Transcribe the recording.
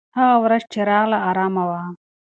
هغه ورځ چې راغله، ارامه وه.